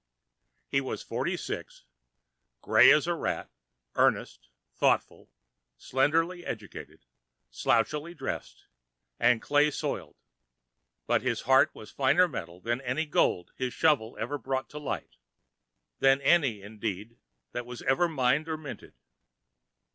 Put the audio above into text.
He was forty six, grey as a rat, earnest, thoughtful, slenderly educated, slouchily dressed and clay soiled, but his heart was finer metal than any gold his shovel ever brought to light—than any, indeed, that ever was mined or minted.